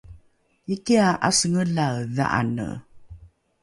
ikia ’asengelae dha’ane